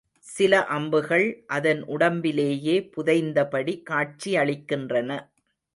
சில அம்புகள் அதன் உடம்பிலேயே புதைந்தபடி காட்சியளிக்கின்றன.